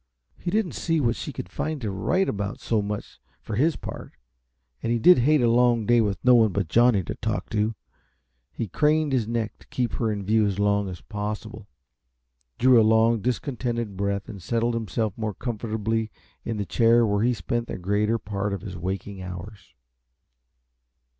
He didn't see what she could find to write about so much, for his part. And he did hate a long day with no one but Johnny to talk to. He craned his neck to keep her in view as long as possible, drew a long, discontented breath and settled himself more comfortably in the chair where he spent the greater part of his waking hours.